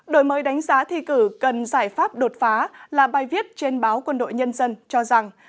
đổi mới đánh giá thi cử cần giải pháp đột phá là bài viết trên báo quân đội nhân dân cho rằng